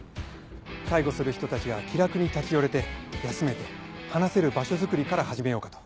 介護する人たちが気楽に立ち寄れて休めて話せる場所づくりから始めようかと。